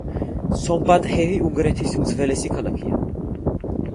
სომბატჰეი უნგრეთის უძველესი ქალაქია.